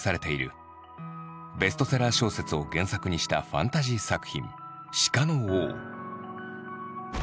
ベストセラー小説を原作にしたファンタジー作品「鹿の王」。